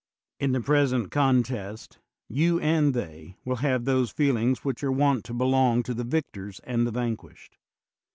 In the present contest, you and they will have those feelings which are wont to belong to the victors and the vanquished.